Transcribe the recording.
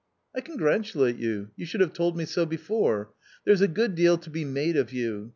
" I congratulate you, you should have told me so before ; there's a good deal to be made of you.